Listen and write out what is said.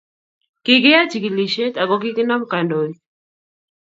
kikiyai chikilishet ako kikinam kandoik